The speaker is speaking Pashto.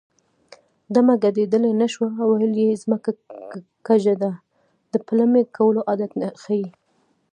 ډمه ګډېدلی نه شوه ویل یې ځمکه کږه ده د پلمې کولو عادت ښيي